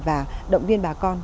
và động viên bà con